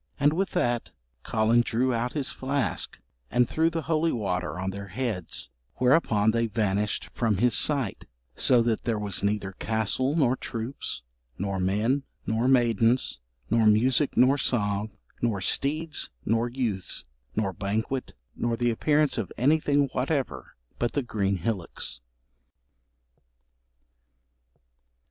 And with that Collen drew out his flask and threw the holy water on their heads, whereupon they vanished from his sight, so that there was neither castle nor troops, nor men, nor maidens, nor music, nor song, nor steeds, nor youths, nor banquet, nor the appearance of anything whatever but the green hillocks.'